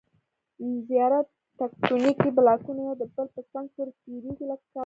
زیاره تکتونیکي بلاکونه یو د بل په څنګ پورې تېریږي. لکه کابل کې